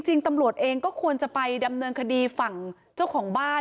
ตำรวจเองก็ควรจะไปดำเนินคดีฝั่งเจ้าของบ้าน